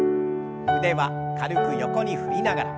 腕は軽く横に振りながら。